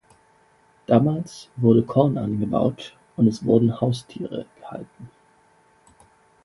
Damals wurde Korn angebaut, und es wurden Haustiere gehalten.